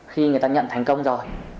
khi người ta nhận thành công rồi